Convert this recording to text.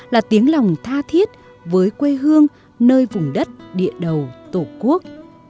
là tiếng lòng tha thiết với quê hương nơi vùng đất địa đầu tổ quốc